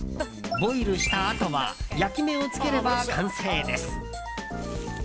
ボイルしたあとは焼き目をつければ完成です。